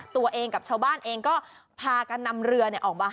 ตัวเองกับชาวบ้านเองก็พากันนำเรือออกมา